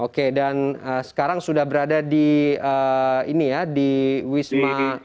oke dan sekarang sudah berada di wisma